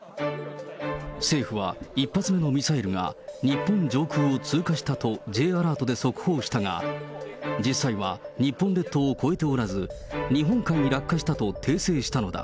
政府は１発目のミサイルが、日本上空を通過したとＪアラートで速報したが、実際は日本列島を越えておらず、日本海に落下したと訂正したのだ。